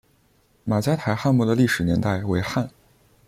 马家台汉墓的历史年代为汉。